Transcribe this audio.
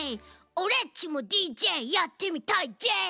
オレっちもＤＪやってみたいじぇ！